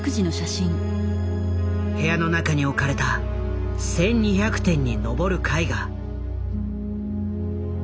部屋の中に置かれた１，２００点にのぼる絵画。